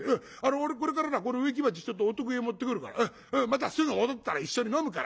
俺これからなこの植木鉢ちょっとお得意へ持ってくるからまたすぐ戻ったら一緒に飲むから。